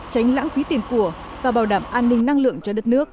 tránh lãng phí tiền của và bảo đảm an ninh năng lượng cho đất nước